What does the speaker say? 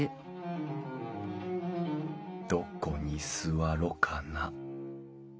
どこに座ろかな。